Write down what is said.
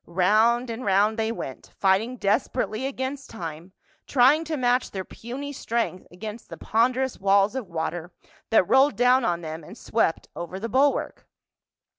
Round and round they went, fighting desperately against time, trying to match their puny strength against the ponderous walls of water that rolled down on them and swept over the bulwark.